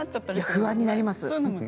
不安になります。